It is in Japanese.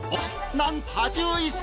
なんと８１歳。